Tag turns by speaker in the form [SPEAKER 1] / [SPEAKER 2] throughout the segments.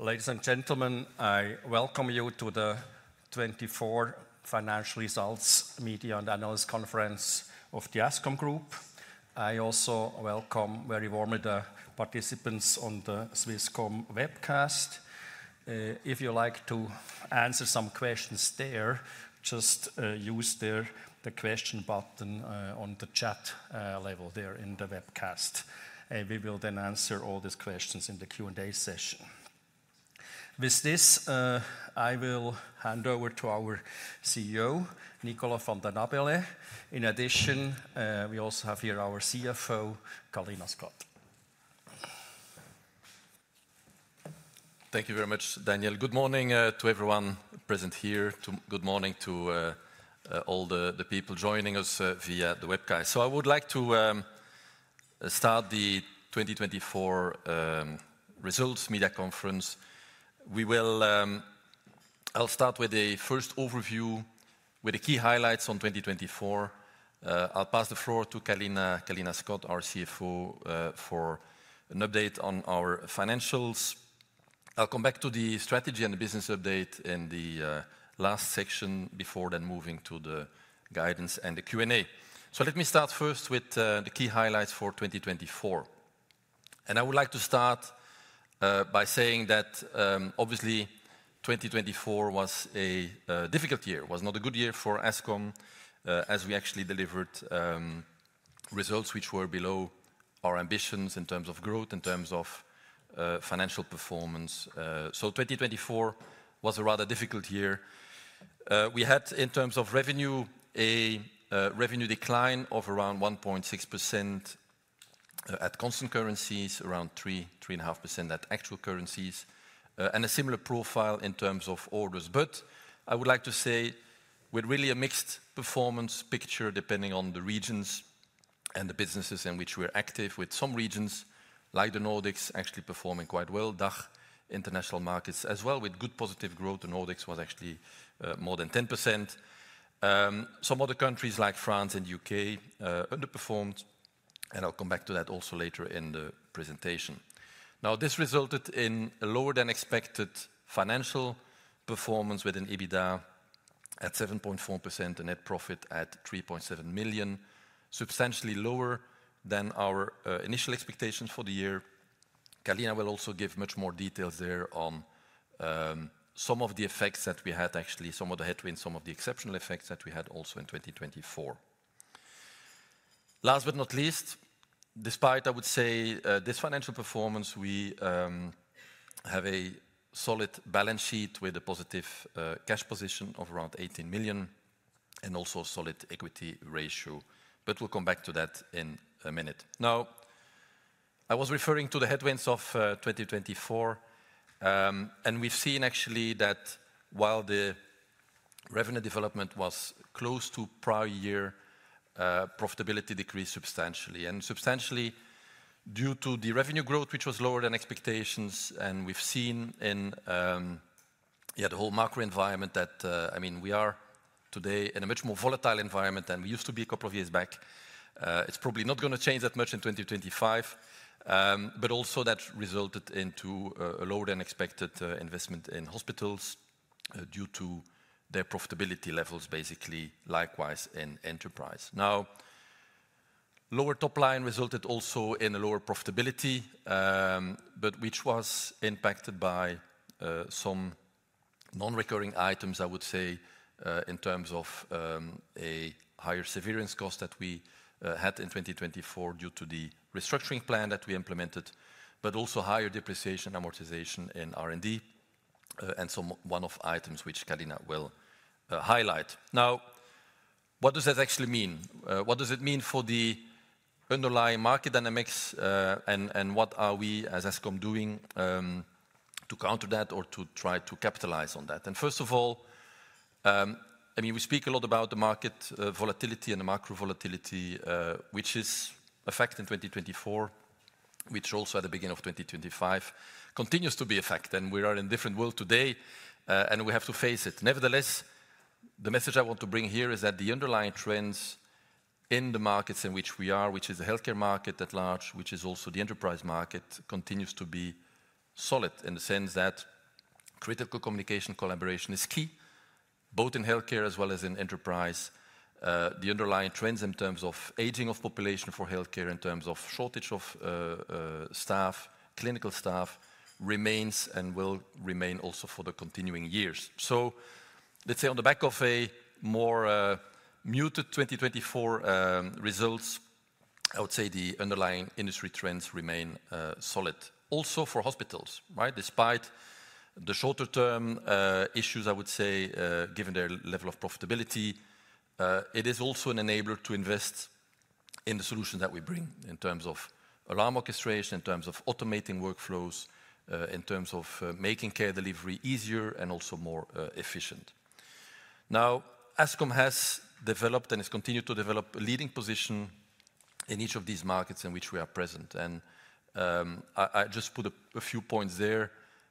[SPEAKER 1] Ladies and gentlemen, I welcome you to the 2024 Financial Results Media and Analysts Conference of the Ascom Group. I also welcome very warmly the participants on the Swisscom webcast. If you'd like to answer some questions there, just use the question button on the chat level there in the webcast, and we will then answer all these questions in the Q&A session. With this, I will hand over to our CEO, Nicolas Vanden Abeele. In addition, we also have here our CFO, Kalina Scott.
[SPEAKER 2] Thank you very much, Daniel. Good morning to everyone present here. Good morning to all the people joining us via the webcast. I would like to start the 2024 Results Media Conference. I'll start with a first overview with the key highlights on 2024. I'll pass the floor to Kalina Scott, our CFO, for an update on our financials. I'll come back to the strategy and the business update in the last section before then moving to the guidance and the Q&A. Let me start first with the key highlights for 2024. I would like to start by saying that obviously 2024 was a difficult year, was not a good year for Ascom, as we actually delivered results which were below our ambitions in terms of growth, in terms of financial performance. 2024 was a rather difficult year. We had, in terms of revenue, a revenue decline of around 1.6% at constant currencies, around 3%-3.5% at actual currencies, and a similar profile in terms of orders. I would like to say we're really a mixed performance picture depending on the regions and the businesses in which we're active, with some regions like the Nordics actually performing quite well, DACH international markets as well, with good positive growth. The Nordics was actually more than 10%. Some other countries like France and the U.K. underperformed, and I'll come back to that also later in the presentation. This resulted in a lower than expected financial performance with an EBITDA at 7.4%, a net profit at 3.7 million, substantially lower than our initial expectations for the year. Kalina will also give much more details there on some of the effects that we had, actually some of the headwinds, some of the exceptional effects that we had also in 2024. Last but not least, despite, I would say, this financial performance, we have a solid balance sheet with a positive cash position of around 18 million and also a solid equity ratio. We will come back to that in a minute. Now, I was referring to the headwinds of 2024, and we've seen actually that while the revenue development was close to prior year, profitability decreased substantially. Substantially due to the revenue growth, which was lower than expectations, and we've seen in the whole macro environment that, I mean, we are today in a much more volatile environment than we used to be a couple of years back. It's probably not going to change that much in 2025, but also that resulted in a lower than expected investment in hospitals due to their profitability levels, basically likewise in enterprise. Now, lower top line resulted also in a lower profitability, which was impacted by some non-recurring items, I would say, in terms of a higher severance cost that we had in 2024 due to the restructuring plan that we implemented, but also higher depreciation amortization in R&D and some one-off items which Kalina will highlight. Now, what does that actually mean? What does it mean for the underlying market dynamics, and what are we as Ascom doing to counter that or to try to capitalize on that? First of all, I mean, we speak a lot about the market volatility and the macro volatility, which is affected in 2024, which also at the beginning of 2025 continues to be affected. We are in a different world today, and we have to face it. Nevertheless, the message I want to bring here is that the underlying trends in the markets in which we are, which is the healthcare market at large, which is also the enterprise market, continues to be solid in the sense that critical communication collaboration is key, both in healthcare as well as in enterprise. The underlying trends in terms of aging of population for healthcare, in terms of shortage of staff, clinical staff, remains and will remain also for the continuing years. Let's say on the back of a more muted 2024 results, I would say the underlying industry trends remain solid. Also for hospitals, right? Despite the shorter-term issues, I would say, given their level of profitability, it is also an enabler to invest in the solutions that we bring in terms of alarm orchestration, in terms of automating workflows, in terms of making care delivery easier and also more efficient. Now, Ascom has developed and has continued to develop a leading position in each of these markets in which we are present. I just put a few points there.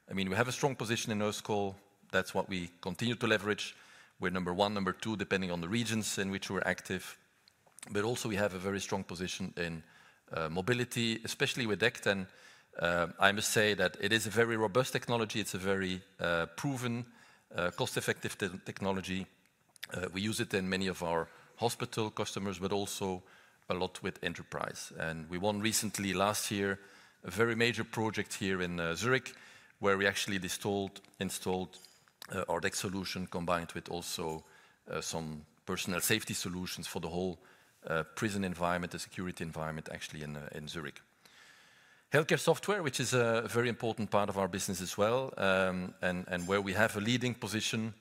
[SPEAKER 2] I mean, we have a strong position in Ascom. That's what we continue to leverage. We're number one, number two, depending on the regions in which we're active. Also we have a very strong position in mobility, especially with DECT and. I must say that it is a very robust technology. It's a very proven, cost-effective technology. We use it in many of our hospital customers, but also a lot with enterprise. We won recently, last year, a very major project here in Zurich, where we actually installed our DECT solution combined with also some personal safety solutions for the whole prison environment, the security environment actually in Zurich. Healthcare software, which is a very important part of our business as well, and where we have a leading position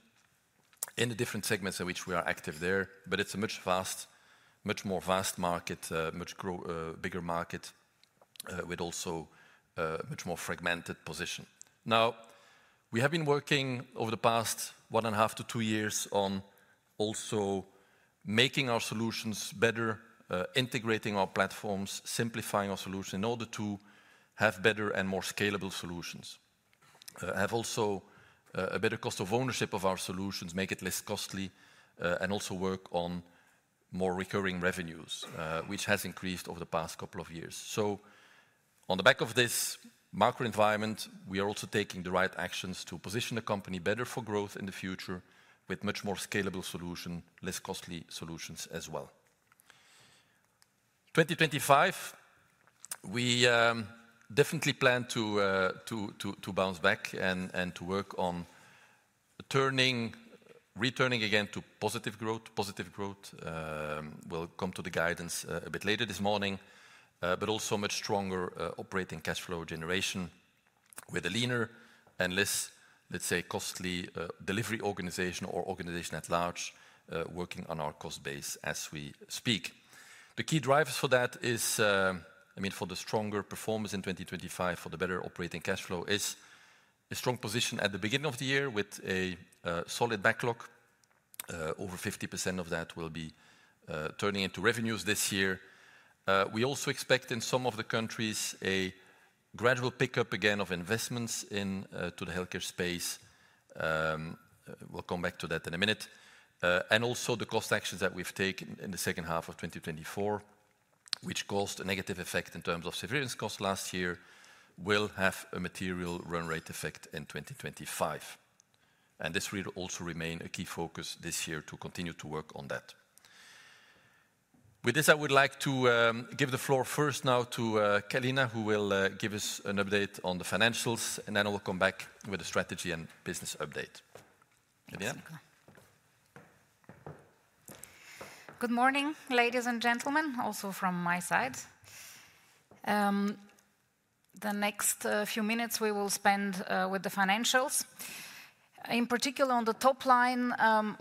[SPEAKER 2] in the different segments in which we are active there, but it's a much more vast market, much bigger market with also a much more fragmented position. Now, we have been working over the past one and a half to two years on also making our solutions better, integrating our platforms, simplifying our solutions in order to have better and more scalable solutions, have also a better cost of ownership of our solutions, make it less costly, and also work on more recurring revenues, which has increased over the past couple of years. On the back of this macro environment, we are also taking the right actions to position the company better for growth in the future with much more scalable solutions, less costly solutions as well. In 2025, we definitely plan to bounce back and to work on returning again to positive growth. Positive growth will come to the guidance a bit later this morning, but also much stronger operating cash flow generation with a leaner and less, let's say, costly delivery organization or organization at large working on our cost base as we speak. The key drivers for that is, I mean, for the stronger performance in 2025, for the better operating cash flow is a strong position at the beginning of the year with a solid backlog. Over 50% of that will be turning into revenues this year. We also expect in some of the countries a gradual pickup again of investments into the healthcare space. We'll come back to that in a minute. Also the cost actions that we've taken in the second half of 2024, which caused a negative effect in terms of severance cost last year, will have a material run rate effect in 2025. This will also remain a key focus this year to continue to work on that. With this, I would like to give the floor first now to Kalina, who will give us an update on the financials, and then we'll come back with a strategy and business update.
[SPEAKER 3] Absolutely. Good morning, ladies and gentlemen, also from my side. The next few minutes we will spend with the financials. In particular, on the top line,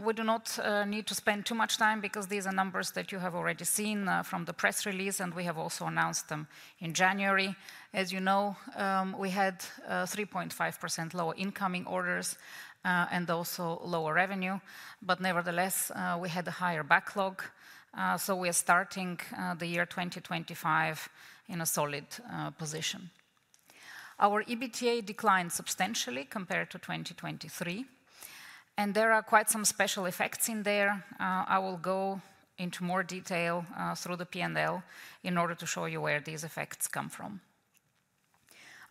[SPEAKER 3] we do not need to spend too much time because these are numbers that you have already seen from the press release, and we have also announced them in January. As you know, we had 3.5% lower incoming orders and also lower revenue, but nevertheless, we had a higher backlog. We are starting the year 2025 in a solid position. Our EBITDA declined substantially compared to 2023, and there are quite some special effects in there. I will go into more detail through the P&L in order to show you where these effects come from.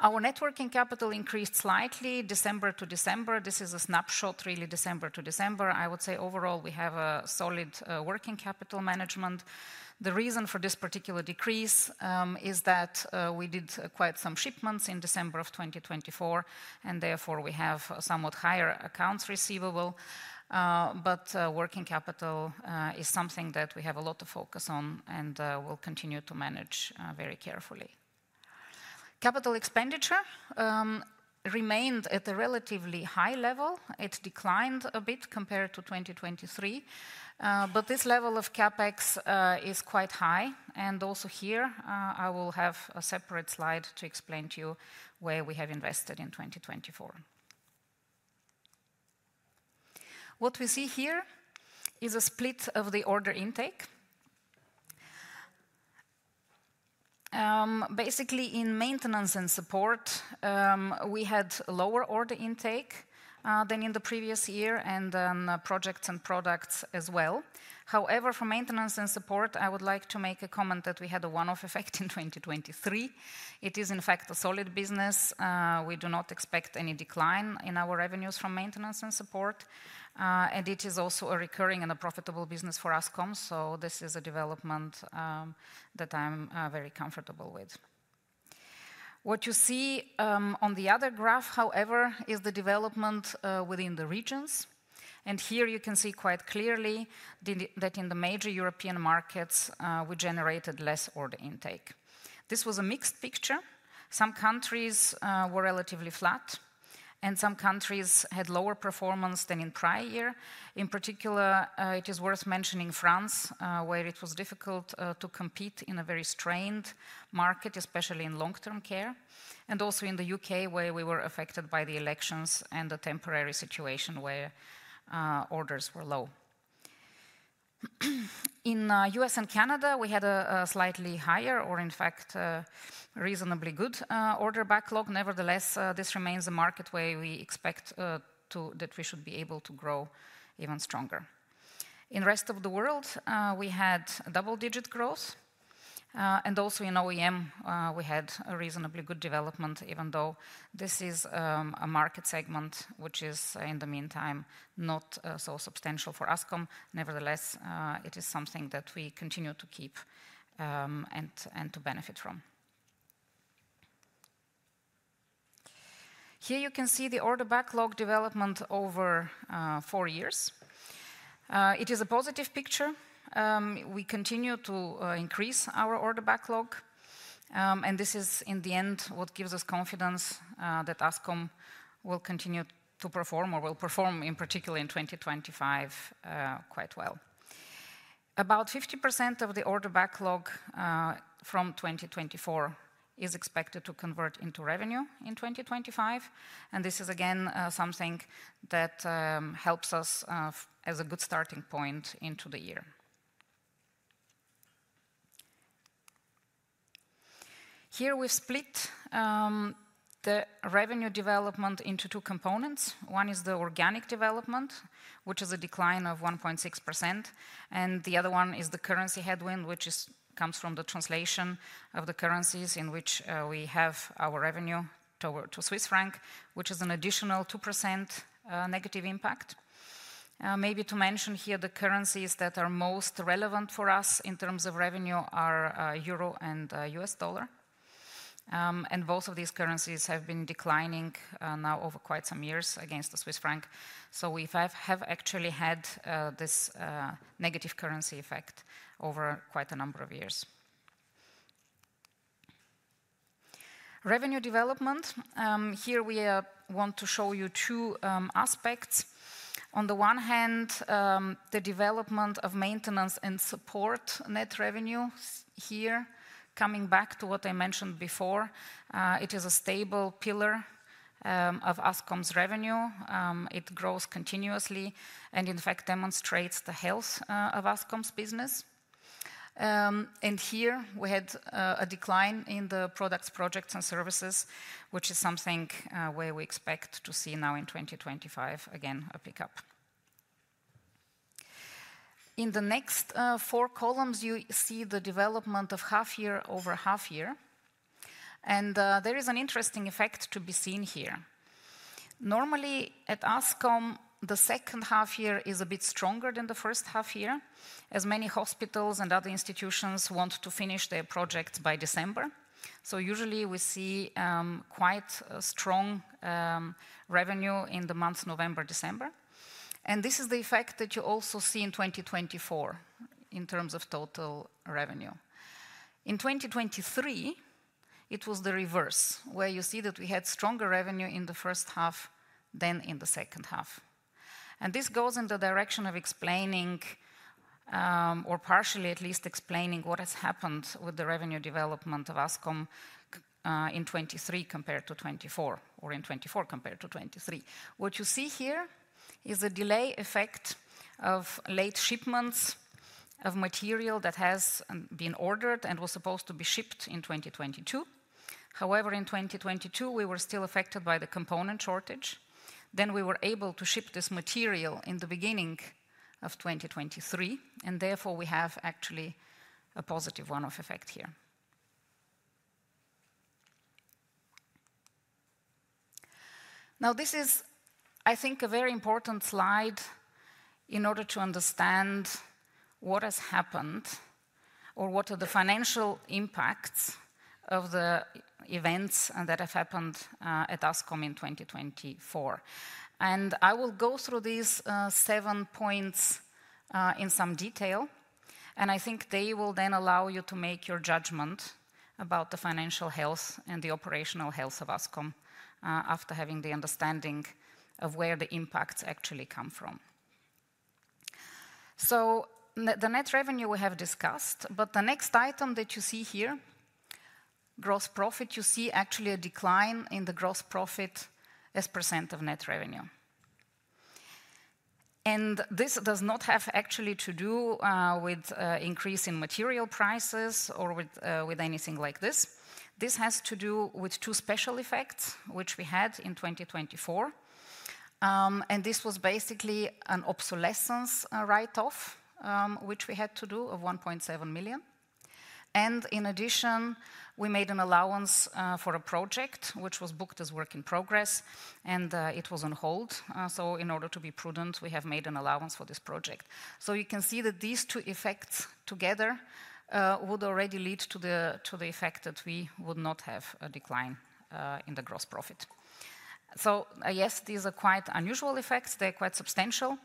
[SPEAKER 3] Our networking capital increased slightly December to December. This is a snapshot, really, December to December. I would say overall we have a solid working capital management. The reason for this particular decrease is that we did quite some shipments in December of 2024, and therefore we have somewhat higher accounts receivable. Working capital is something that we have a lot of focus on and will continue to manage very carefully. Capital expenditure remained at a relatively high level. It declined a bit compared to 2023, but this level of CapEx is quite high. Also here, I will have a separate slide to explain to you where we have invested in 2024. What we see here is a split of the order intake. Basically, in maintenance and support, we had lower order intake than in the previous year and then projects and products as well. However, for maintenance and support, I would like to make a comment that we had a one-off effect in 2023. It is in fact a solid business. We do not expect any decline in our revenues from maintenance and support, and it is also a recurring and a profitable business for Ascom. This is a development that I'm very comfortable with. What you see on the other graph, however, is the development within the regions. Here you can see quite clearly that in the major European markets, we generated less order intake. This was a mixed picture. Some countries were relatively flat, and some countries had lower performance than in the prior year. In particular, it is worth mentioning France, where it was difficult to compete in a very strained market, especially in long-term care, and also in the U.K., where we were affected by the elections and the temporary situation where orders were low. In the U.S. and Canada, we had a slightly higher or in fact reasonably good order backlog. Nevertheless, this remains a market where we expect that we should be able to grow even stronger. In the rest of the world, we had double-digit growth, and also in OEM, we had a reasonably good development, even though this is a market segment which is in the meantime not so substantial for Ascom. Nevertheless, it is something that we continue to keep and to benefit from. Here you can see the order backlog development over four years. It is a positive picture. We continue to increase our order backlog, and this is in the end what gives us confidence that Ascom will continue to perform or will perform in particular in 2025 quite well. About 50% of the order backlog from 2024 is expected to convert into revenue in 2025, and this is again something that helps us as a good starting point into the year. Here we split the revenue development into two components. One is the organic development, which is a decline of 1.6%, and the other one is the currency headwind, which comes from the translation of the currencies in which we have our revenue toward Swiss franc, which is an additional 2% negative impact. Maybe to mention here, the currencies that are most relevant for us in terms of revenue are euro and U.S. dollar, and both of these currencies have been declining now over quite some years against the Swiss franc. We have actually had this negative currency effect over quite a number of years. Revenue development. Here we want to show you two aspects. On the one hand, the development of maintenance and support net revenue here, coming back to what I mentioned before, it is a stable pillar of Ascom's revenue. It grows continuously and in fact demonstrates the health of Ascom's business. Here we had a decline in the products, projects, and services, which is something where we expect to see now in 2025 again a pickup. In the next four columns, you see the development of half year over half year, and there is an interesting effect to be seen here. Normally at Ascom, the second half year is a bit stronger than the first half year, as many hospitals and other institutions want to finish their projects by December. Usually we see quite strong revenue in the months November, December. This is the effect that you also see in 2024 in terms of total revenue. In 2023, it was the reverse where you see that we had stronger revenue in the first half than in the second half. This goes in the direction of explaining or partially at least explaining what has happened with the revenue development of Ascom in 2023 compared to 2024 or in 2024 compared to 2023. What you see here is a delay effect of late shipments of material that has been ordered and was supposed to be shipped in 2022. However, in 2022, we were still affected by the component shortage. We were able to ship this material in the beginning of 2023, and therefore we have actually a positive one-off effect here. I think this is a very important slide in order to understand what has happened or what are the financial impacts of the events that have happened at Ascom in 2024. I will go through these seven points in some detail, and I think they will then allow you to make your judgment about the financial health and the operational health of Ascom after having the understanding of where the impacts actually come from. The net revenue we have discussed, but the next item that you see here, gross profit, you see actually a decline in the gross profit as % of net revenue. This does not have actually to do with increasing material prices or with anything like this. This has to do with two special effects which we had in 2024. This was basically an obsolescence write-off which we had to do of 1.7 million. In addition, we made an allowance for a project which was booked as work in progress, and it was on hold. In order to be prudent, we have made an allowance for this project. You can see that these two effects together would already lead to the effect that we would not have a decline in the gross profit. Yes, these are quite unusual effects. They are quite substantial,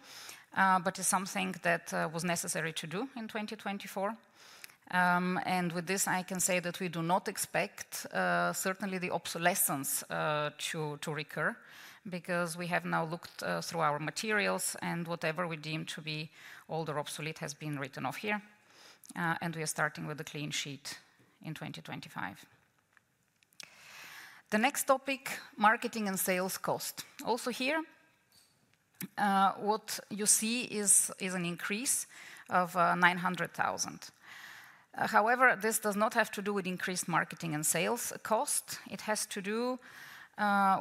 [SPEAKER 3] but it is something that was necessary to do in 2024. With this, I can say that we do not expect certainly the obsolescence to recur because we have now looked through our materials and whatever we deem to be old or obsolete has been written off here, and we are starting with a clean sheet in 2025. The next topic, marketing and sales cost. Also here, what you see is an increase of 900,000. However, this does not have to do with increased marketing and sales cost. It has to do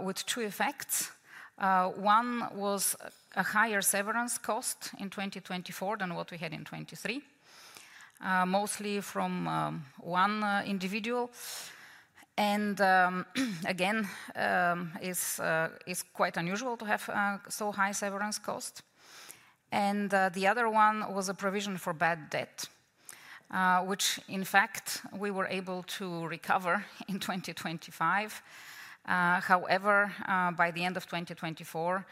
[SPEAKER 3] with two effects. One was a higher severance cost in 2024 than what we had in 2023, mostly from one individual. It is quite unusual to have so high severance cost. The other one was a provision for bad debt, which in fact we were able to recover in 2025. However, by the end of 2024,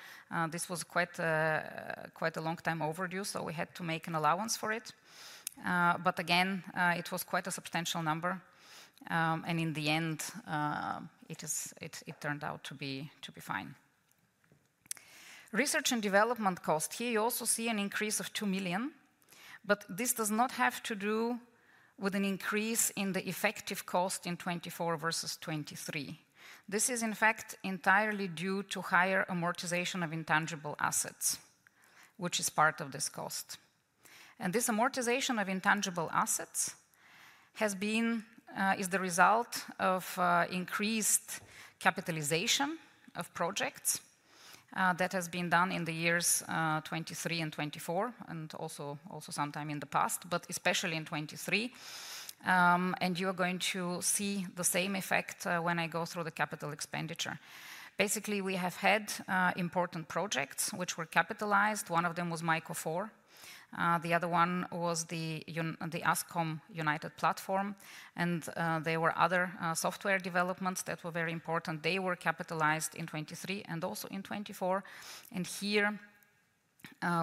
[SPEAKER 3] this was quite a long time overdue, so we had to make an allowance for it. It was quite a substantial number, and in the end, it turned out to be fine. Research and development cost. Here you also see an increase of 2 million, but this does not have to do with an increase in the effective cost in 2024 versus 2023. This is in fact entirely due to higher amortization of intangible assets, which is part of this cost. This amortization of intangible assets has been the result of increased capitalization of projects that has been done in the years 2023 and 2024 and also sometime in the past, but especially in 2023. You are going to see the same effect when I go through the capital expenditure. Basically, we have had important projects which were capitalized. One of them was Myco 4. The other one was the Ascom Unite Platform, and there were other software developments that were very important. They were capitalized in 2023 and also in 2024. Here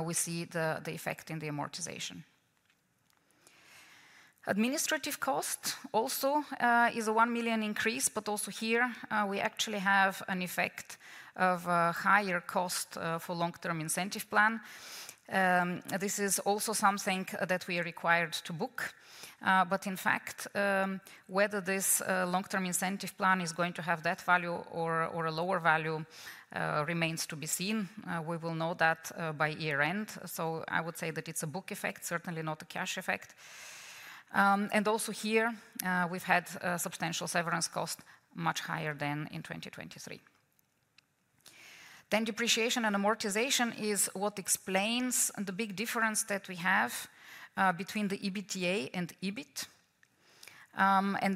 [SPEAKER 3] we see the effect in the amortization. Administrative cost also is a 1 million increase, but also here we actually have an effect of higher cost for long-term incentive plan. This is also something that we are required to book. In fact, whether this long-term incentive plan is going to have that value or a lower value remains to be seen. We will know that by year end. I would say that it's a book effect, certainly not a cash effect. Also here, we've had substantial severance cost, much higher than in 2023. Depreciation and amortization is what explains the big difference that we have between the EBITDA and EBIT.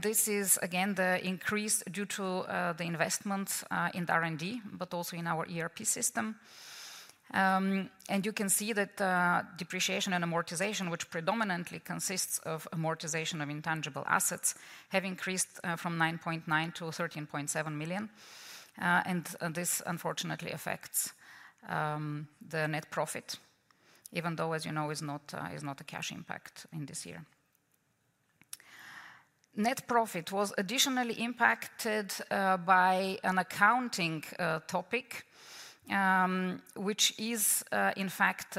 [SPEAKER 3] This is again the increase due to the investments in R&D, but also in our ERP system. You can see that depreciation and amortization, which predominantly consists of amortization of intangible assets, have increased from 9.9 million to 13.7 million. This unfortunately affects the net profit, even though, as you know, it is not a cash impact in this year. Net profit was additionally impacted by an accounting topic, which is in fact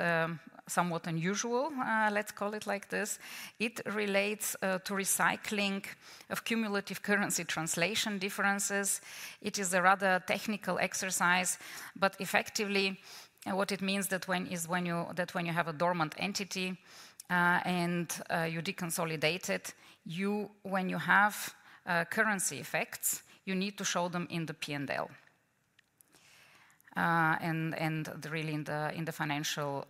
[SPEAKER 3] somewhat unusual. Let's call it like this. It relates to recycling of cumulative currency translation differences. It is a rather technical exercise, but effectively what it means is that when you have a dormant entity and you deconsolidate it, when you have currency effects, you need to show them in the P&L and really in the financial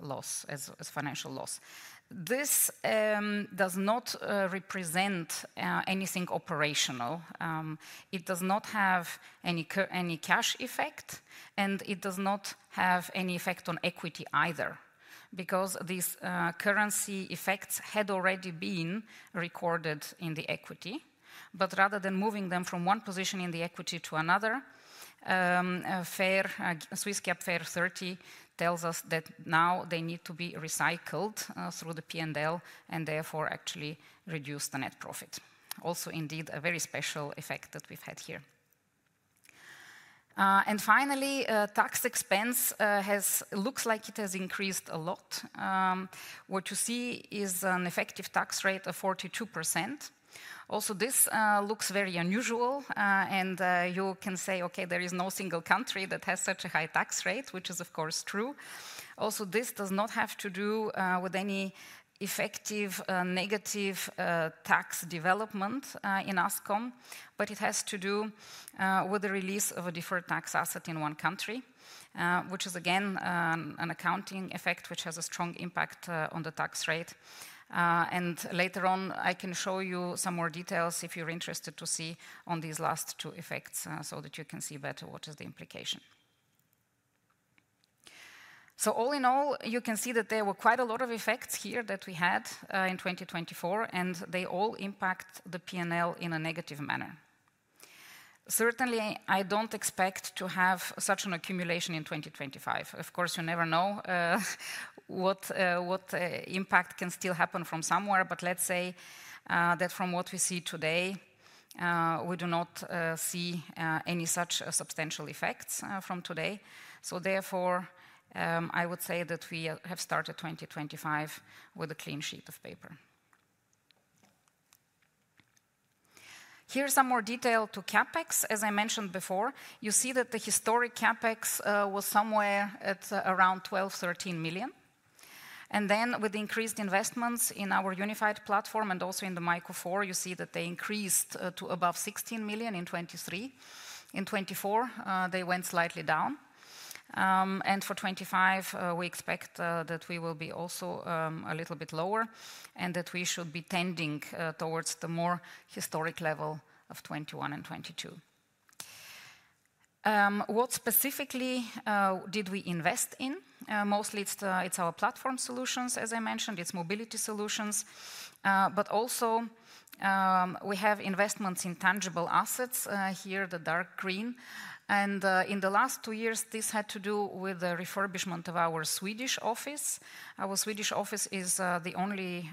[SPEAKER 3] loss as financial loss. This does not represent anything operational. It does not have any cash effect, and it does not have any effect on equity either because these currency effects had already been recorded in the equity. Rather than moving them from one position in the equity to another, Swiss GAAP FER 30 tells us that now they need to be recycled through the P&L and therefore actually reduce the net profit. Also, indeed, a very special effect that we've had here. Finally, tax expense looks like it has increased a lot. What you see is an effective tax rate of 42%. Also, this looks very unusual, and you can say, okay, there is no single country that has such a high tax rate, which is of course true. Also, this does not have to do with any effective negative tax development in Ascom, but it has to do with the release of a deferred tax asset in one country, which is again an accounting effect which has a strong impact on the tax rate. Later on, I can show you some more details if you're interested to see on these last two effects so that you can see better what is the implication. All in all, you can see that there were quite a lot of effects here that we had in 2024, and they all impact the P&L in a negative manner. Certainly, I don't expect to have such an accumulation in 2025. Of course, you never know what impact can still happen from somewhere, but let's say that from what we see today, we do not see any such substantial effects from today. Therefore, I would say that we have started 2025 with a clean sheet of paper. Here's some more detail to CapEx. As I mentioned before, you see that the historic CapEx was somewhere at around 12 million-13 million. With increased investments in our unified platform and also in the Myco 4, you see that they increased to above 16 million in 2023. In 2024, they went slightly down. For 2025, we expect that we will be also a little bit lower and that we should be tending towards the more historic level of 2021 and 2022. What specifically did we invest in? Mostly it's our platform solutions, as I mentioned. It's mobility solutions, but also we have investments in tangible assets here, the dark green. In the last two years, this had to do with the refurbishment of our Swedish office. Our Swedish office is the only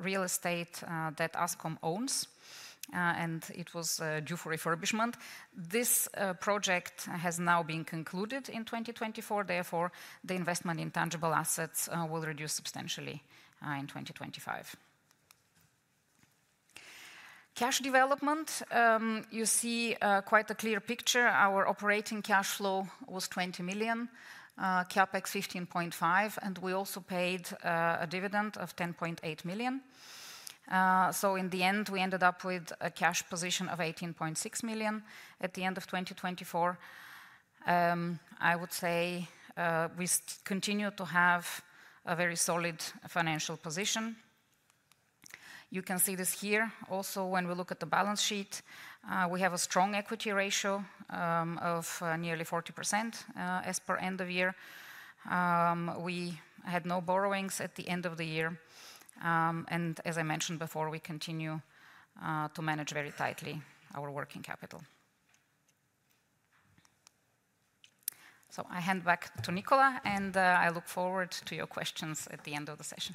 [SPEAKER 3] real estate that Ascom owns, and it was due for refurbishment. This project has now been concluded in 2024. Therefore, the investment in tangible assets will reduce substantially in 2025. Cash development, you see quite a clear picture. Our operating cash flow was 20 million, CapEx 15.5 million, and we also paid a dividend of 10.8 million. In the end, we ended up with a cash position of 18.6 million at the end of 2024. I would say we continue to have a very solid financial position. You can see this here. Also, when we look at the balance sheet, we have a strong equity ratio of nearly 40% as per end of year. We had no borrowings at the end of the year. As I mentioned before, we continue to manage very tightly our working capital. I hand back to Nicolas, and I look forward to your questions at the end of the session.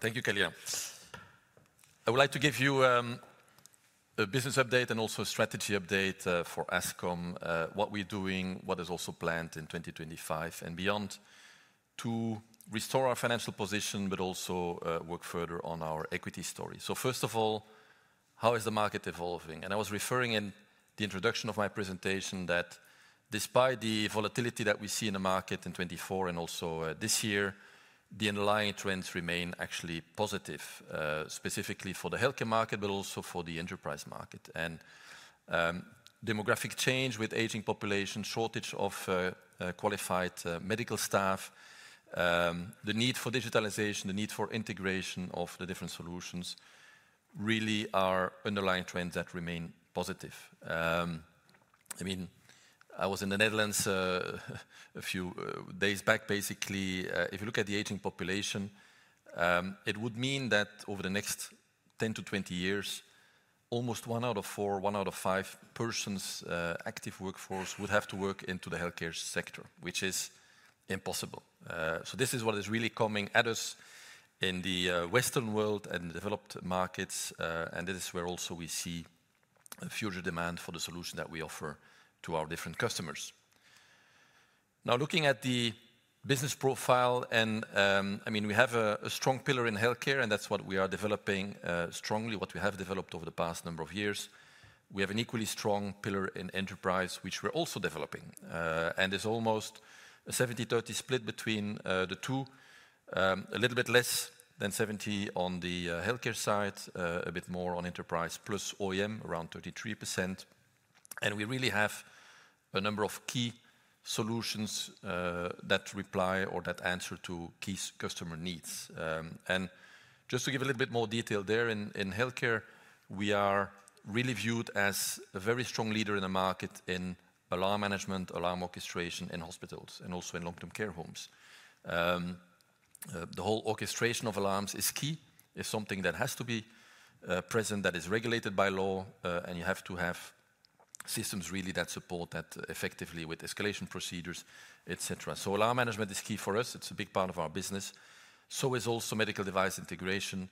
[SPEAKER 2] Thank you, Kalina. I would like to give you a business update and also a strategy update for Ascom, what we're doing, what is also planned in 2025 and beyond to restore our financial position, but also work further on our equity story. First of all, how is the market evolving? I was referring in the introduction of my presentation that despite the volatility that we see in the market in 2024 and also this year, the underlying trends remain actually positive, specifically for the healthcare market, but also for the enterprise market. Demographic change with aging population, shortage of qualified medical staff, the need for digitalization, the need for integration of the different solutions really are underlying trends that remain positive. I mean, I was in the Netherlands a few days back. Basically, if you look at the aging population, it would mean that over the next 10 to 20 years, almost one out of four, one out of five persons' active workforce would have to work into the healthcare sector, which is impossible. This is what is really coming at us in the Western world and developed markets, and this is where also we see a future demand for the solution that we offer to our different customers. Now, looking at the business profile, and I mean, we have a strong pillar in healthcare, and that's what we are developing strongly, what we have developed over the past number of years. We have an equally strong pillar in enterprise, which we're also developing. There's almost a 70-30 split between the two, a little bit less than 70 on the healthcare side, a bit more on enterprise, plus OEM around 33%. We really have a number of key solutions that reply or that answer to key customer needs. To give a little bit more detail there, in healthcare, we are really viewed as a very strong leader in the market in alarm management, alarm orchestration in hospitals, and also in long-term care homes. The whole orchestration of alarms is key. It is something that has to be present that is regulated by law, and you have to have systems really that support that effectively with escalation procedures, etc. Alarm management is key for us. It is a big part of our business. So is also medical device integration,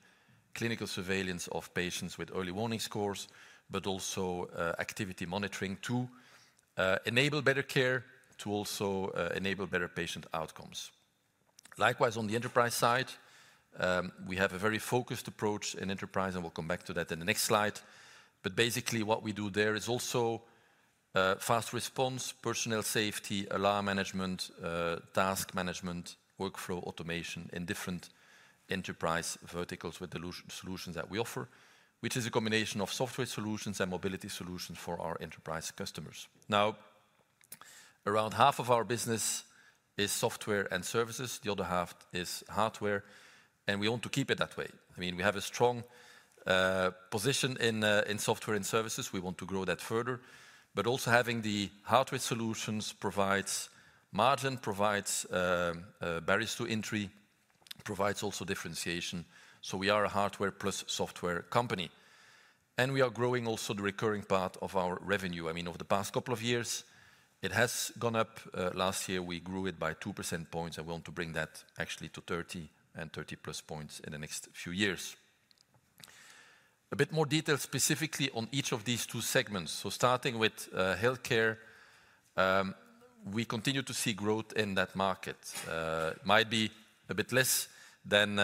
[SPEAKER 2] clinical surveillance of patients with early warning scores, but also activity monitoring to enable better care to also enable better patient outcomes. Likewise, on the enterprise side, we have a very focused approach in enterprise, and we will come back to that in the next slide. Basically, what we do there is also fast response, personnel safety, alarm management, task management, workflow automation in different enterprise verticals with the solutions that we offer, which is a combination of software solutions and mobility solutions for our enterprise customers. Now, around half of our business is software and services. The other half is hardware, and we want to keep it that way. I mean, we have a strong position in software and services. We want to grow that further, but also having the hardware solutions provides margin, provides barriers to entry, provides also differentiation. We are a hardware plus software company, and we are growing also the recurring part of our revenue. I mean, over the past couple of years, it has gone up. Last year, we grew it by 2 percentage points, and we want to bring that actually to 30 and 30 plus percentage points in the next few years. A bit more detail specifically on each of these two segments. Starting with healthcare, we continue to see growth in that market. It might be a bit less than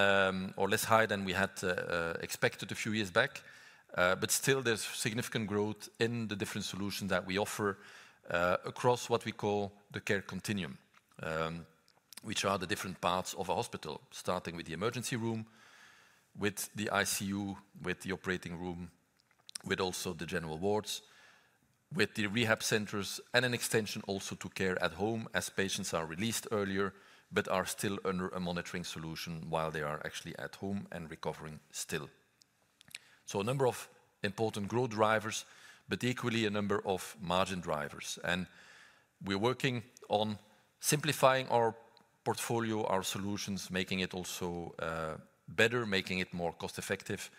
[SPEAKER 2] or less high than we had expected a few years back, but still there's significant growth in the different solutions that we offer across what we call the care continuum, which are the different parts of a hospital, starting with the emergency room, with the ICU, with the operating room, with also the general wards, with the rehab centers, and an extension also to care at home as patients are released earlier, but are still under a monitoring solution while they are actually at home and recovering still. A number of important growth drivers, but equally a number of margin drivers. We're working on simplifying our portfolio, our solutions, making it also better, making it more cost-effective.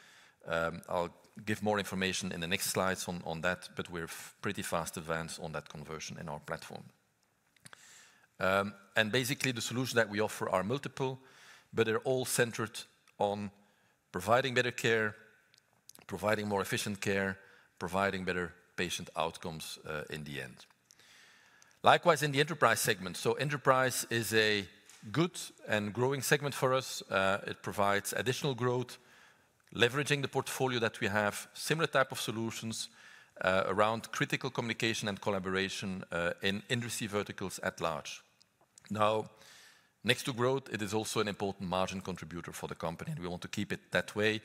[SPEAKER 2] I'll give more information in the next slides on that, but we're pretty fast advanced on that conversion in our platform. Basically, the solutions that we offer are multiple, but they're all centered on providing better care, providing more efficient care, providing better patient outcomes in the end. Likewise, in the enterprise segment. Enterprise is a good and growing segment for us. It provides additional growth, leveraging the portfolio that we have, similar type of solutions around critical communication and collaboration in industry verticals at large. Now, next to growth, it is also an important margin contributor for the company, and we want to keep it that way,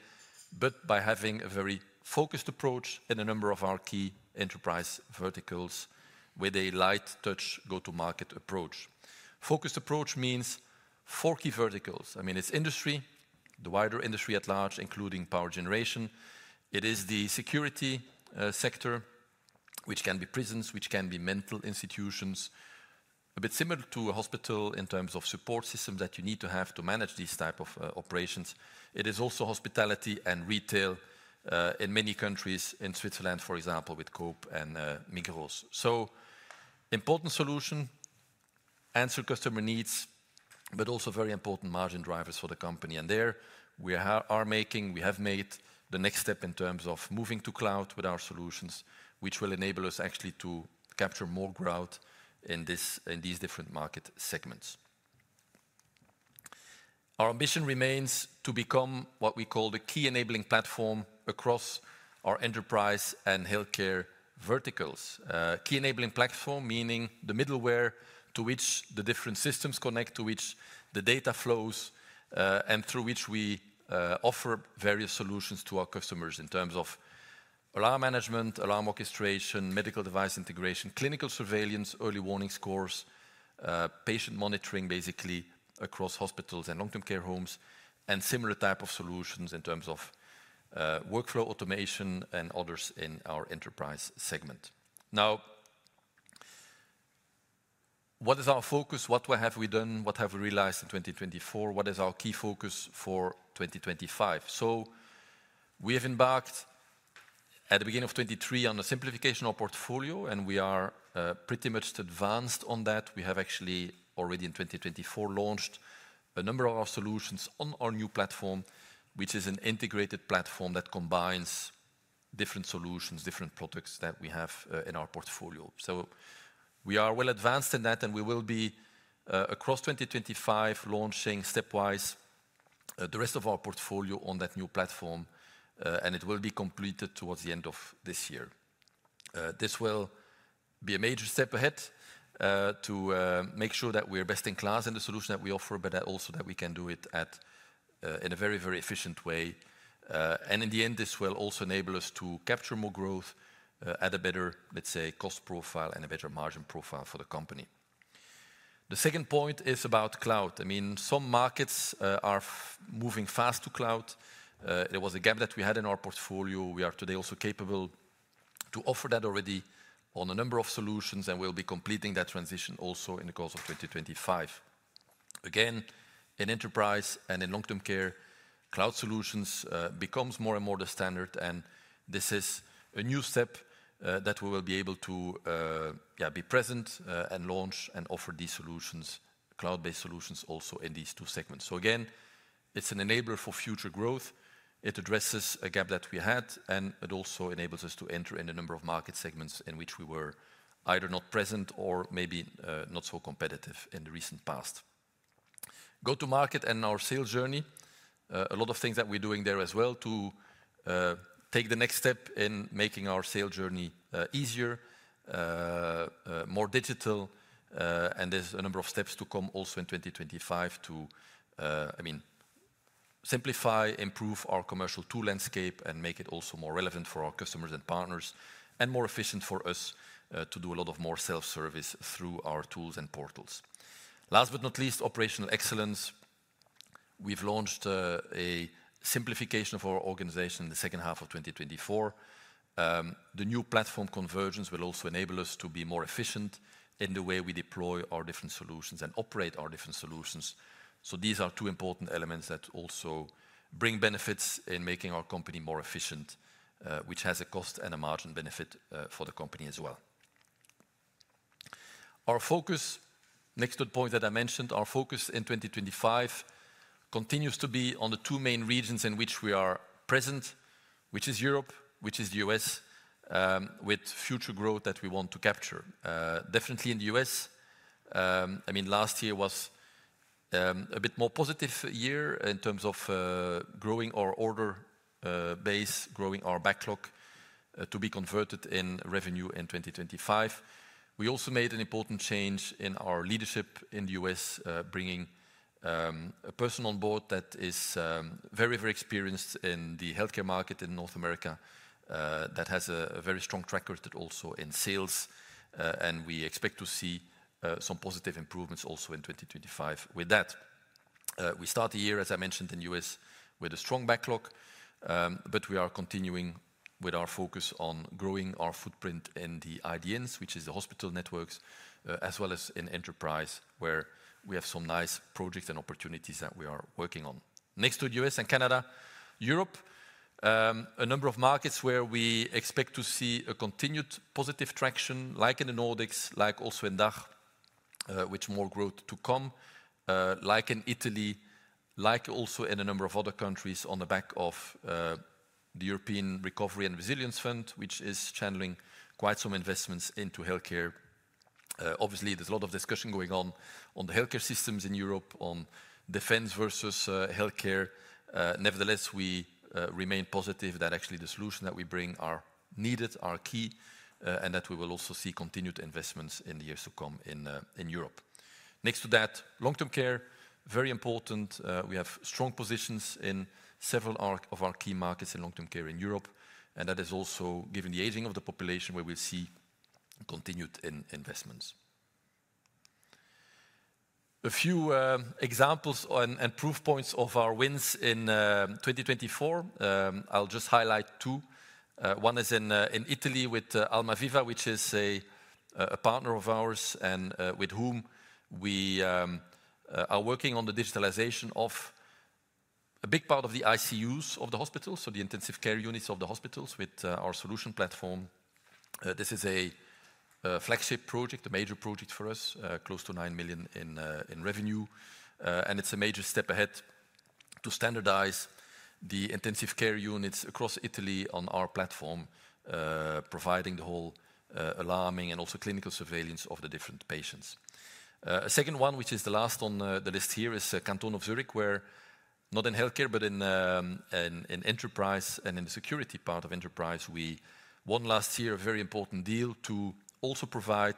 [SPEAKER 2] but by having a very focused approach in a number of our key enterprise verticals with a light touch go-to-market approach. Focused approach means four key verticals. I mean, it's industry, the wider industry at large, including power generation. It is the security sector, which can be prisons, which can be mental institutions, a bit similar to a hospital in terms of support systems that you need to have to manage these types of operations. It is also hospitality and retail in many countries, in Switzerland, for example, with Coop and Migros. Important solution, answer customer needs, but also very important margin drivers for the company. There we are making, we have made the next step in terms of moving to cloud with our solutions, which will enable us actually to capture more growth in these different market segments. Our ambition remains to become what we call the key enabling platform across our enterprise and healthcare verticals. Key enabling platform, meaning the middleware to which the different systems connect, to which the data flows, and through which we offer various solutions to our customers in terms of alarm management, alarm orchestration, medical device integration, clinical surveillance, early warning scores, patient monitoring basically across hospitals and long-term care homes, and similar type of solutions in terms of workflow automation and others in our enterprise segment. Now, what is our focus? What have we done? What have we realized in 2024? What is our key focus for 2025? We have embarked at the beginning of 2023 on a simplification of our portfolio, and we are pretty much advanced on that. We have actually already in 2024 launched a number of our solutions on our new platform, which is an integrated platform that combines different solutions, different products that we have in our portfolio. We are well advanced in that, and we will be across 2025 launching stepwise the rest of our portfolio on that new platform, and it will be completed towards the end of this year. This will be a major step ahead to make sure that we are best in class in the solution that we offer, but also that we can do it in a very, very efficient way. In the end, this will also enable us to capture more growth at a better, let's say, cost profile and a better margin profile for the company. The second point is about cloud. I mean, some markets are moving fast to cloud. There was a gap that we had in our portfolio. We are today also capable to offer that already on a number of solutions, and we'll be completing that transition also in the course of 2025. Again, in enterprise and in long-term care, cloud solutions become more and more the standard, and this is a new step that we will be able to be present and launch and offer these solutions, cloud-based solutions also in these two segments. Again, it's an enabler for future growth. It addresses a gap that we had, and it also enables us to enter in a number of market segments in which we were either not present or maybe not so competitive in the recent past. Go to market and our sales journey. A lot of things that we're doing there as well to take the next step in making our sales journey easier, more digital, and there's a number of steps to come also in 2025 to, I mean, simplify, improve our commercial tool landscape and make it also more relevant for our customers and partners and more efficient for us to do a lot of more self-service through our tools and portals. Last but not least, operational excellence. We've launched a simplification of our organization in the second half of 2024. The new platform convergence will also enable us to be more efficient in the way we deploy our different solutions and operate our different solutions. These are two important elements that also bring benefits in making our company more efficient, which has a cost and a margin benefit for the company as well. Our focus, next to the point that I mentioned, our focus in 2025 continues to be on the two main regions in which we are present, which is Europe, which is the U.S., with future growth that we want to capture. Definitely in the U.S., I mean, last year was a bit more positive year in terms of growing our order base, growing our backlog to be converted in revenue in 2025. We also made an important change in our leadership in the U.S., bringing a person on board that is very, very experienced in the healthcare market in North America that has a very strong track record also in sales, and we expect to see some positive improvements also in 2025 with that. We start the year, as I mentioned, in the U.S. with a strong backlog, but we are continuing with our focus on growing our footprint in the IDNs, which is the hospital networks, as well as in enterprise where we have some nice projects and opportunities that we are working on. Next to the U.S. and Canada, Europe, a number of markets where we expect to see a continued positive traction, like in the Nordics, like also in DACH, with more growth to come, like in Italy, like also in a number of other countries on the back of the European Recovery and Resilience Fund, which is channeling quite some investments into healthcare. Obviously, there's a lot of discussion going on on the healthcare systems in Europe, on defense versus healthcare. Nevertheless, we remain positive that actually the solutions that we bring are needed, are key, and that we will also see continued investments in the years to come in Europe. Next to that, long-term care, very important. We have strong positions in several of our key markets in long-term care in Europe, and that is also given the aging of the population where we'll see continued investments. A few examples and proof points of our wins in 2024. I'll just highlight two. One is in Italy with Almaviva, which is a partner of ours and with whom we are working on the digitalization of a big part of the ICUs of the hospitals, so the intensive care units of the hospitals with our solution platform. This is a flagship project, a major project for us, close to 9 million in revenue, and it's a major step ahead to standardize the intensive care units across Italy on our platform, providing the whole alarming and also clinical surveillance of the different patients. A second one, which is the last on the list here, is the Canton of Zurich, where not in healthcare, but in enterprise and in the security part of enterprise, we won last year a very important deal to also provide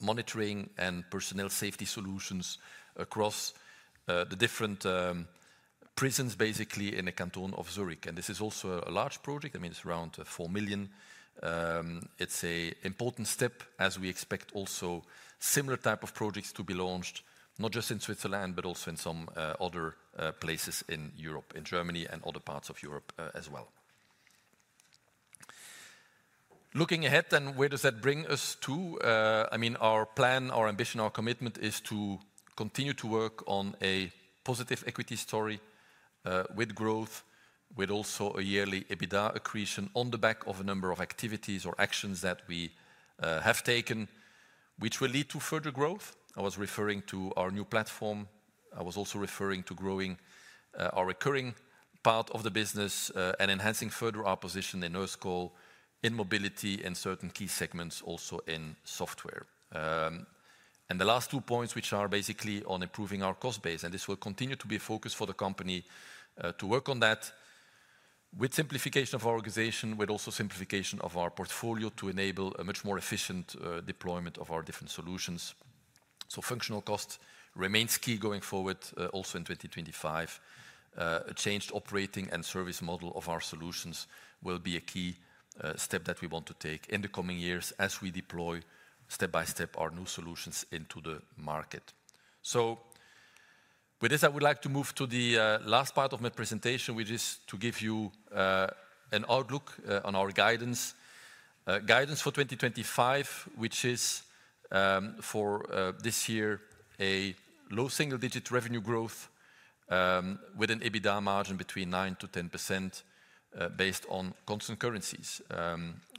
[SPEAKER 2] monitoring and personnel safety solutions across the different prisons basically in the Canton of Zurich. This is also a large project. I mean, it's around 4 million. It's an important step as we expect also similar type of projects to be launched, not just in Switzerland, but also in some other places in Europe, in Germany and other parts of Europe as well. Looking ahead then, where does that bring us to? I mean, our plan, our ambition, our commitment is to continue to work on a positive equity story with growth, with also a yearly EBITDA accretion on the back of a number of activities or actions that we have taken, which will lead to further growth. I was referring to our new platform. I was also referring to growing our recurring part of the business and enhancing further our position in Nurse Call, in mobility, in certain key segments, also in software. The last two points, which are basically on improving our cost base, and this will continue to be a focus for the company to work on that with simplification of our organization, with also simplification of our portfolio to enable a much more efficient deployment of our different solutions. Functional cost remains key going forward also in 2025. A changed operating and service model of our solutions will be a key step that we want to take in the coming years as we deploy step by step our new solutions into the market. With this, I would like to move to the last part of my presentation, which is to give you an outlook on our guidance for 2025, which is for this year a low single-digit revenue growth with an EBITDA margin between 9%-10% based on constant currencies.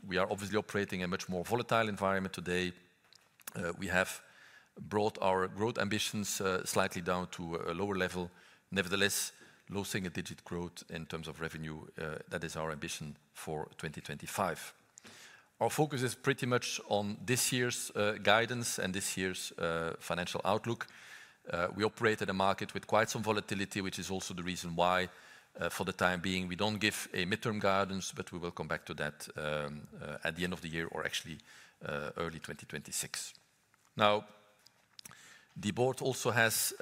[SPEAKER 2] We are obviously operating in a much more volatile environment today. We have brought our growth ambitions slightly down to a lower level. Nevertheless, low single-digit growth in terms of revenue, that is our ambition for 2025. Our focus is pretty much on this year's guidance and this year's financial outlook. We operate in a market with quite some volatility, which is also the reason why for the time being we don't give a midterm guidance, but we will come back to that at the end of the year or actually early 2026. Now, the board also has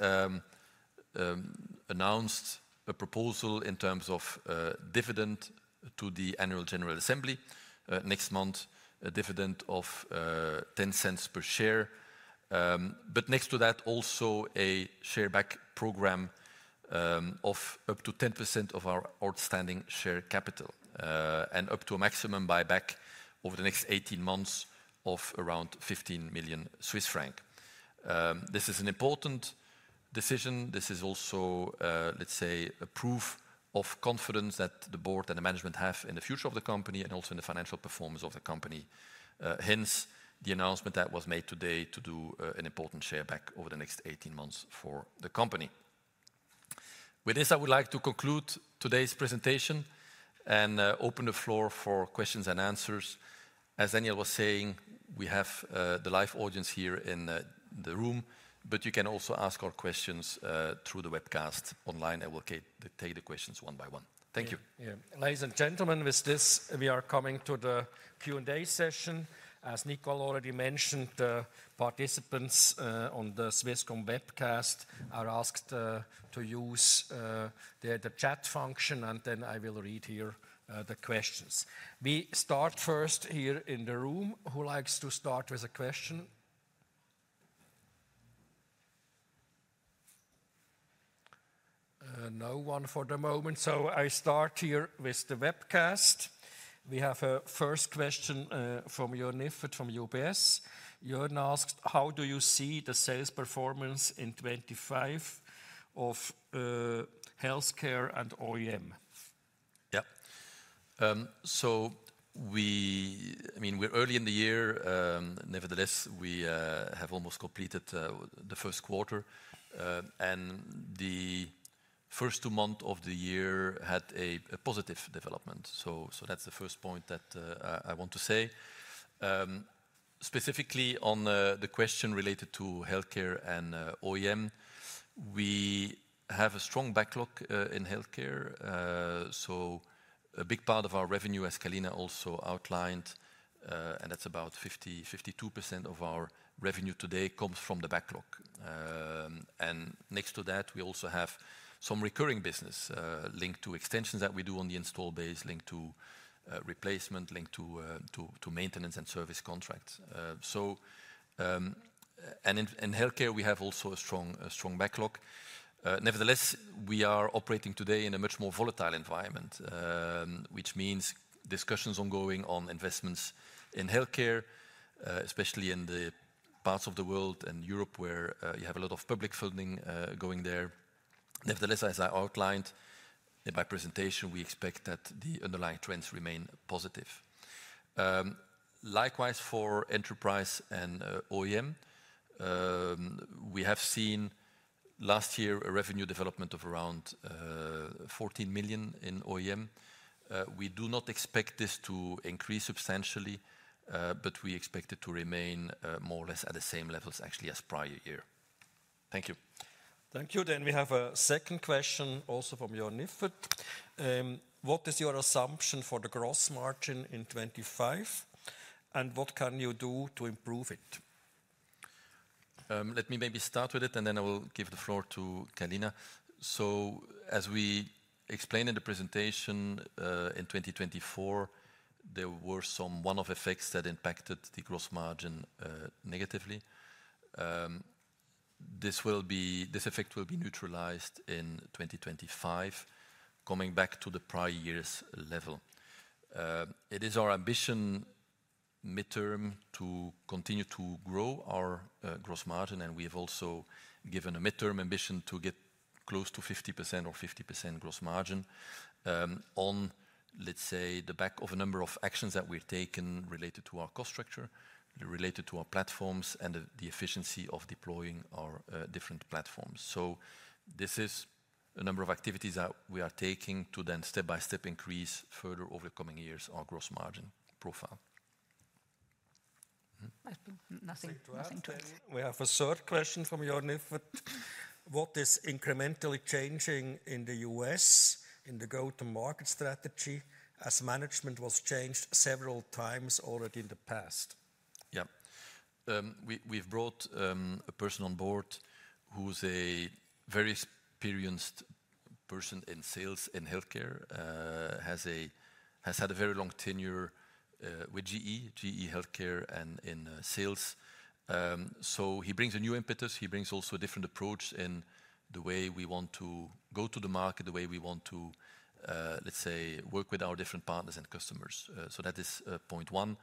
[SPEAKER 2] announced a proposal in terms of dividend to the Annual General Assembly next month, a dividend of 0.10 per share. Next to that, also a share buyback program of up to 10% of our outstanding share capital and up to a maximum buyback over the next 18 months of around 15 million Swiss franc. This is an important decision. This is also, let's say, a proof of confidence that the board and the management have in the future of the company and also in the financial performance of the company. Hence, the announcement that was made today to do an important share back over the next 18 months for the company. With this, I would like to conclude today's presentation and open the floor for questions and answers. As Daniel was saying, we have the live audience here in the room, but you can also ask our questions through the webcast online. I will take the questions one by one. Thank you.
[SPEAKER 1] Yeah, ladies and gentlemen, with this, we are coming to the Q&A session. As Nicolas already mentioned, participants on the Swisscom webcast are asked to use the chat function, and then I will read here the questions. We start first here in the room. Who likes to start with a question? No one for the moment. I start here with the webcast. We have a first question from Joern Iffert from UBS. Joern asked, how do you see the sales performance in 2025 of healthcare and OEM?
[SPEAKER 2] Yeah. We, I mean, we're early in the year. Nevertheless, we have almost completed the first quarter, and the first two months of the year had a positive development. That's the first point that I want to say. Specifically on the question related to healthcare and OEM, we have a strong backlog in healthcare. A big part of our revenue, as Kalina also outlined, and that's about 50%-52% of our revenue today, comes from the backlog. Next to that, we also have some recurring business linked to extensions that we do on the install base, linked to replacement, linked to maintenance and service contracts. In healthcare, we have also a strong backlog. Nevertheless, we are operating today in a much more volatile environment, which means discussions ongoing on investments in healthcare, especially in the parts of the world and Europe where you have a lot of public funding going there. Nevertheless, as I outlined in my presentation, we expect that the underlying trends remain positive. Likewise, for enterprise and OEM, we have seen last year a revenue development of around 14 million in OEM. We do not expect this to increase substantially, but we expect it to remain more or less at the same levels actually as prior year. Thank you.
[SPEAKER 1] Thank you. We have a second question also from Joern Iffert. What is your assumption for the gross margin in 2025 and what can you do to improve it?
[SPEAKER 2] Let me maybe start with it and then I will give the floor to Kalina. As we explained in the presentation, in 2024, there were some one-off effects that impacted the gross margin negatively. This effect will be neutralized in 2025, coming back to the prior year's level. It is our ambition midterm to continue to grow our gross margin, and we have also given a midterm ambition to get close to 50% or 50% gross margin on, let's say, the back of a number of actions that we've taken related to our cost structure, related to our platforms, and the efficiency of deploying our different platforms. This is a number of activities that we are taking to then step by step increase further over the coming years our gross margin profile.
[SPEAKER 3] Nothing to add.
[SPEAKER 1] We have a third question from Joern Iffert. What is incrementally changing in the US in the go-to-market strategy as management was changed several times already in the past?
[SPEAKER 2] Yeah. We've brought a person on board who's a very experienced person in sales in healthcare, has had a very long tenure with GE, GE Healthcare and in sales. He brings a new impetus. He brings also a different approach in the way we want to go to the market, the way we want to, let's say, work with our different partners and customers. That is point one.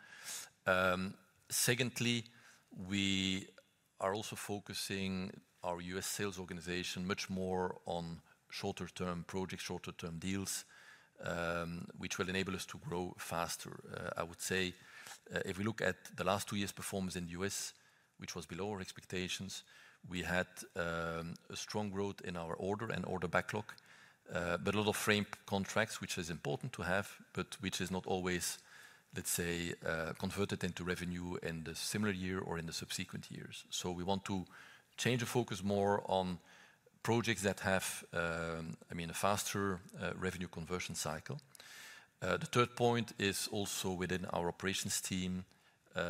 [SPEAKER 2] Secondly, we are also focusing our U.S. sales organization much more on shorter-term projects, shorter-term deals, which will enable us to grow faster. I would say if we look at the last two years' performance in the U.S., which was below our expectations, we had strong growth in our order and order backlog, but a lot of framed contracts, which is important to have, but which is not always, let's say, converted into revenue in the similar year or in the subsequent years. We want to change the focus more on projects that have, I mean, a faster revenue conversion cycle. The third point is also within our operations team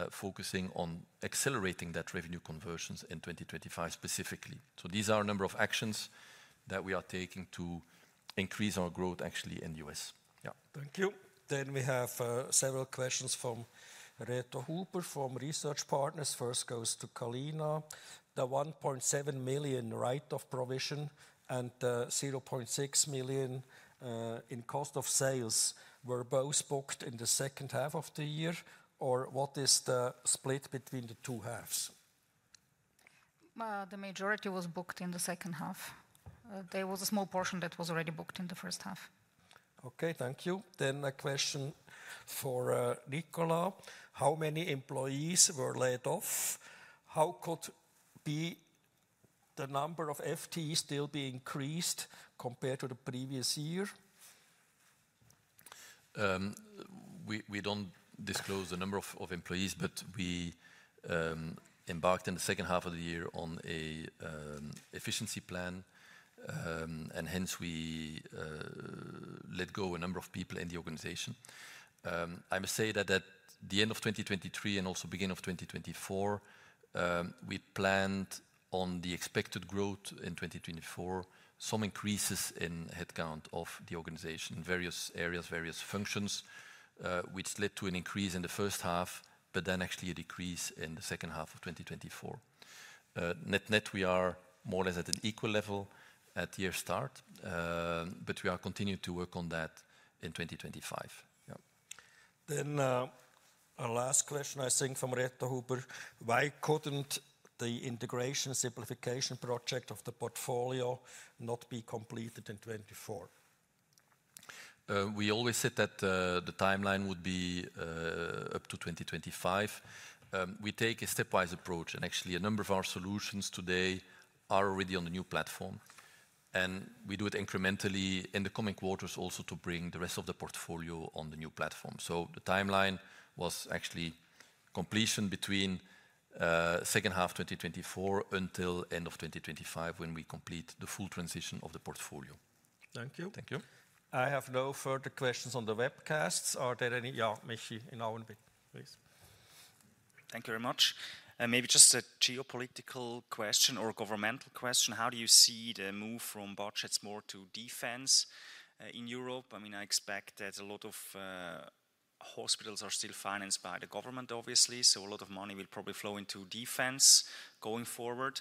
[SPEAKER 2] focusing on accelerating that revenue conversions in 2025 specifically. These are a number of actions that we are taking to increase our growth actually in the U.S.
[SPEAKER 1] Yeah. Thank you. We have several questions from Reto Huber from Research Partners. First goes to Kalina. The 1.7 million right of provision and the 0.6 million in cost of sales were both booked in the second half of the year or what is the split between the two halves?
[SPEAKER 3] The majority was booked in the second half. There was a small portion that was already booked in the first half.
[SPEAKER 1] Okay, thank you. Then a question for Nicolas. How many employees were laid off? How could the number of FTEs still be increased compared to the previous year?
[SPEAKER 2] We do not disclose the number of employees, but we embarked in the second half of the year on an efficiency plan, and hence we let go a number of people in the organization. I must say that at the end of 2023 and also beginning of 2024, we planned on the expected growth in 2024, some increases in headcount of the organization in various areas, various functions, which led to an increase in the first half, but actually a decrease in the second half of 2024. Net net, we are more or less at an equal level at year start, but we are continuing to work on that in 2025.
[SPEAKER 1] Yeah. A last question I think from Reto Huber. Why could not the integration simplification project of the portfolio be completed in 2024?
[SPEAKER 2] We always said that the timeline would be up to 2025. We take a stepwise approach and actually a number of our solutions today are already on the new platform, and we do it incrementally in the coming quarters also to bring the rest of the portfolio on the new platform. The timeline was actually completion between second half 2024 until end of 2025 when we complete the full transition of the portfolio. Thank you.
[SPEAKER 1] Thank you. I have no further questions on the webcasts. Are there any? Yeah, Michi, in a bit please.
[SPEAKER 4] Thank you very much. Maybe just a geopolitical question or governmental question. How do you see the move from budgets more to defense in Europe? I mean, I expect that a lot of hospitals are still financed by the government, obviously, so a lot of money will probably flow into defense going forward.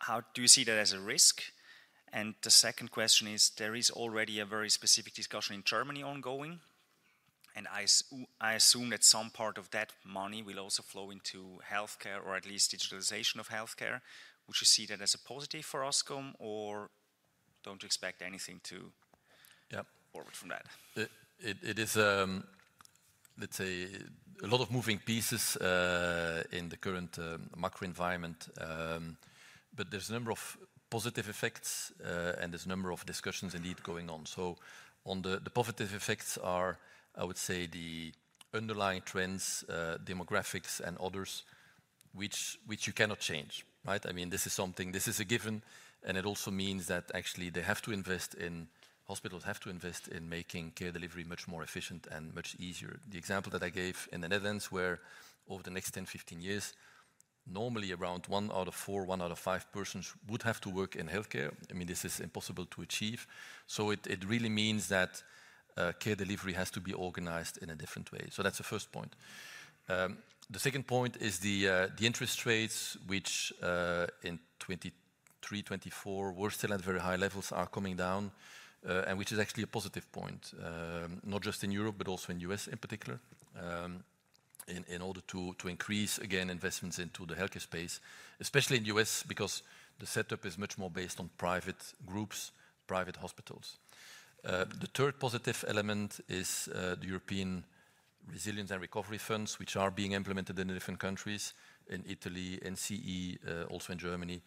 [SPEAKER 4] How do you see that as a risk? The second question is there is already a very specific discussion in Germany ongoing, and I assume that some part of that money will also flow into healthcare or at least digitalization of healthcare. Would you see that as a positive for Ascom or don't you expect anything to forward from that?
[SPEAKER 2] It is, let's say, a lot of moving pieces in the current macro environment, but there's a number of positive effects and there's a number of discussions indeed going on. On the positive effects are, I would say, the underlying trends, demographics and others, which you cannot change, right? I mean, this is something, this is a given, and it also means that actually they have to invest in, hospitals have to invest in making care delivery much more efficient and much easier. The example that I gave in the Netherlands where over the next 10-15 years, normally around one out of four, one out of five persons would have to work in healthcare. I mean, this is impossible to achieve. It really means that care delivery has to be organized in a different way. That is the first point. The second point is the interest rates, which in 2023-2024 were still at very high levels, are coming down, and which is actually a positive point, not just in Europe, but also in the U.S. in particular, in order to increase again investments into the healthcare space, especially in the U.S. because the setup is much more based on private groups, private hospitals. The third positive element is the European Resilience and Recovery Funds, which are being implemented in different countries, in Italy, NGEU, also in Germany,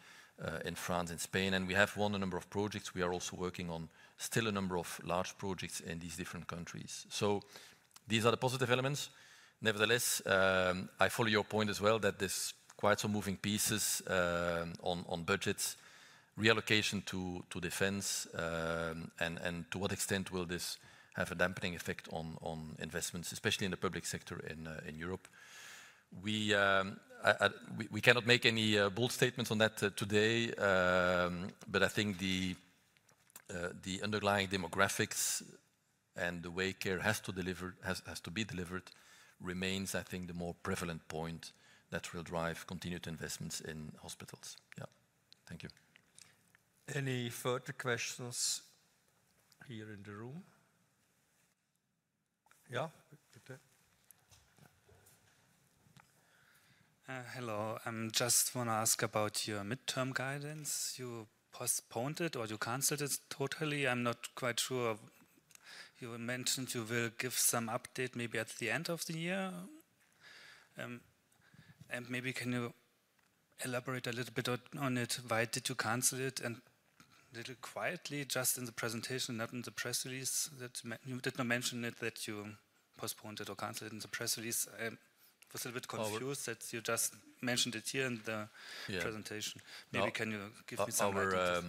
[SPEAKER 2] in France, in Spain. We have won a number of projects. We are also working on still a number of large projects in these different countries. These are the positive elements. Nevertheless, I follow your point as well that there's quite some moving pieces on budgets, reallocation to defense, and to what extent will this have a dampening effect on investments, especially in the public sector in Europe. We cannot make any bold statements on that today, but I think the underlying demographics and the way care has to deliver, has to be delivered, remains, I think, the more prevalent point that will drive continued investments in hospitals. Yeah. Thank you.
[SPEAKER 1] Any further questions here in the room? Yeah.
[SPEAKER 4] Hello. I just want to ask about your midterm guidance. You postponed it or you canceled it totally. I'm not quite sure. You mentioned you will give some update maybe at the end of the year. Maybe can you elaborate a little bit on it? Why did you cancel it a little quietly just in the presentation, not in the press release? You did not mention it that you postponed it or canceled it in the press release. I was a little bit confused that you just mentioned it here in the presentation. Maybe can you give me some answers?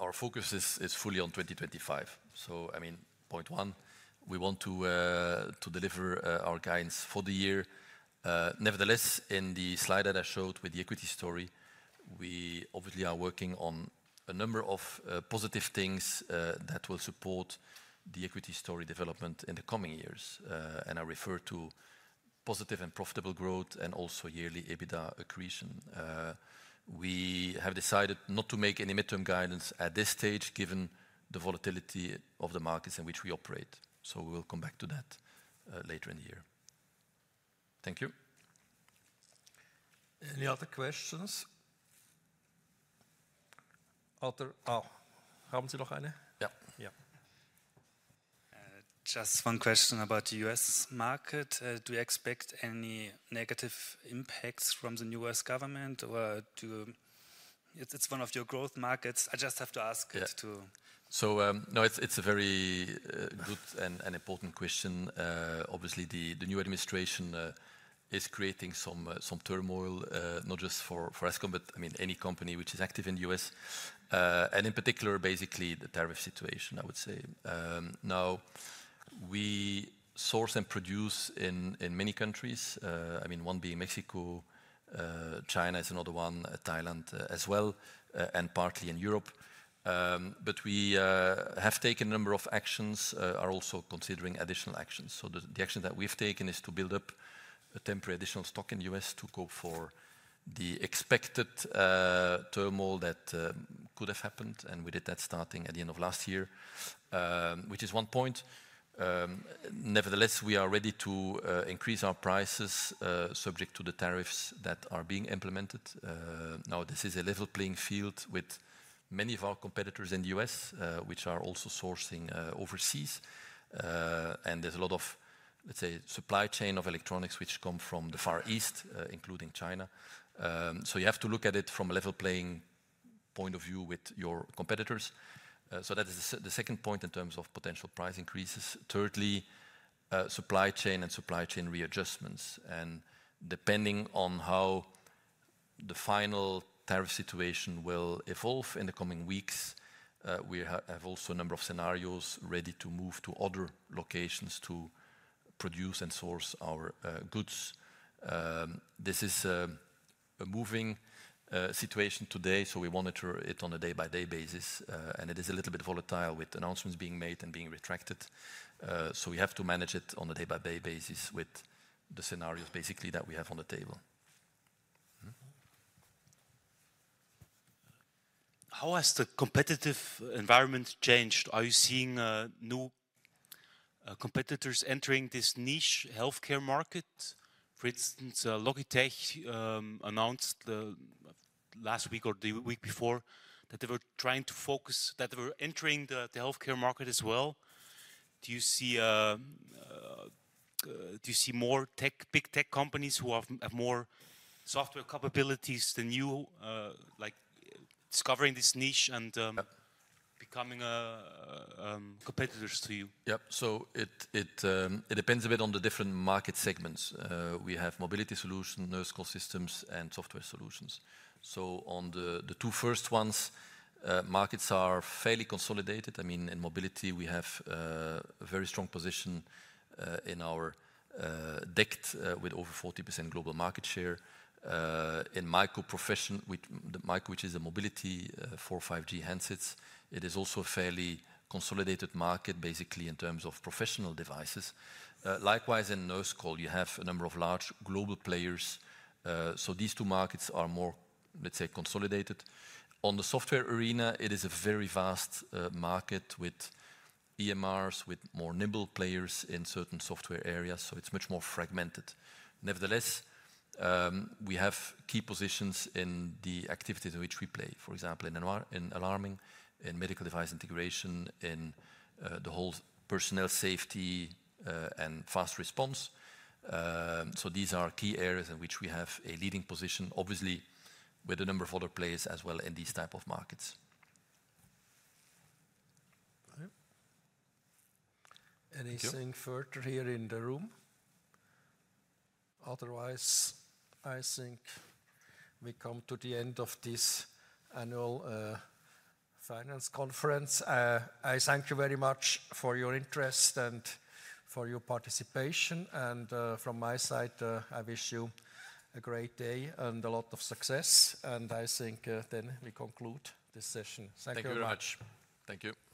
[SPEAKER 2] Our focus is fully on 2025. I mean, point one, we want to deliver our guidance for the year. Nevertheless, in the slide that I showed with the equity story, we obviously are working on a number of positive things that will support the equity story development in the coming years. I refer to positive and profitable growth and also yearly EBITDA accretion. We have decided not to make any midterm guidance at this stage given the volatility of the markets in which we operate. We will come back to that later in the year. Thank you.
[SPEAKER 1] Any other questions? Oh, do you have any?
[SPEAKER 4] Yeah. Just one question about the U.S. market. Do you expect any negative impacts from the new U.S. government or it's one of your growth markets? I just have to ask it too.
[SPEAKER 2] No, it's a very good and important question. Obviously, the new administration is creating some turmoil, not just for Ascom, but I mean, any company which is active in the U.S., and in particular, basically the tariff situation, I would say. Now, we source and produce in many countries. I mean, one being Mexico, China is another one, Thailand as well, and partly in Europe. We have taken a number of actions, are also considering additional actions. The action that we've taken is to build up a temporary additional stock in the U.S. to cope for the expected turmoil that could have happened. We did that starting at the end of last year, which is one point. Nevertheless, we are ready to increase our prices subject to the tariffs that are being implemented. This is a level playing field with many of our competitors in the U.S., which are also sourcing overseas. There is a lot of, let's say, supply chain of electronics, which come from the Far East, including China. You have to look at it from a level playing point of view with your competitors. That is the second point in terms of potential price increases. Thirdly, supply chain and supply chain readjustments. Depending on how the final tariff situation will evolve in the coming weeks, we have also a number of scenarios ready to move to other locations to produce and source our goods. This is a moving situation today, so we monitor it on a day-by-day basis. It is a little bit volatile with announcements being made and being retracted. We have to manage it on a day-by-day basis with the scenarios basically that we have on the table.
[SPEAKER 4] How has the competitive environment changed? Are you seeing new competitors entering this niche healthcare market? For instance, Logitech announced last week or the week before that they were trying to focus, that they were entering the healthcare market as well. Do you see more tech, big tech companies who have more software capabilities than you, like discovering this niche and becoming competitors to you?
[SPEAKER 2] Yep. It depends a bit on the different market segments. We have mobility solutions, Nurse Call systems, and software solutions. On the two first ones, markets are fairly consolidated. I mean, in mobility, we have a very strong position in our DECT with over 40% global market share. In Myco professional mobility, 4G/5G handsets, it is also a fairly consolidated market basically in terms of professional devices. Likewise, in Nurse Call, you have a number of large global players. These two markets are more, let's say, consolidated. In the software arena, it is a very vast market with EMRs, with more nimble players in certain software areas. It is much more fragmented. Nevertheless, we have key positions in the activities in which we play, for example, in alarming, in medical device integration, in the whole personnel safety and fast response. These are key areas in which we have a leading position, obviously, with a number of other players as well in these types of markets.
[SPEAKER 1] Anything further here in the room? Otherwise, I think we come to the end of this annual finance conference. I thank you very much for your interest and for your participation. From my side, I wish you a great day and a lot of success. I think then we conclude this session. Thank you. Thank you very much. Thank you.